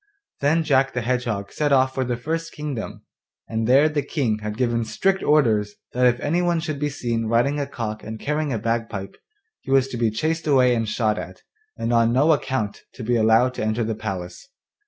Then Jack my Hedgehog set off for the first kingdom, and there the King had given strict orders that if anyone should be seen riding a cock and carrying a bagpipe he was to be chased away and shot at, and on no account to be allowed to enter the palace.